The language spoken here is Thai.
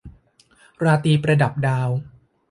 ราตรีประดับดาว